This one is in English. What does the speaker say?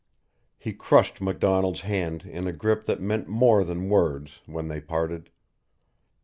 He crushed MacDonald's hand in a grip that meant more than words when they parted.